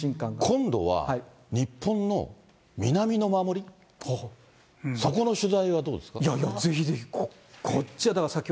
今度は日本の南の守り、そこの取材はどうですか。